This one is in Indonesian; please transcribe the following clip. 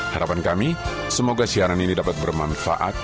harapan kami semoga siaran ini dapat bermanfaat